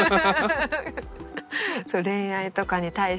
恋愛とかに対しての。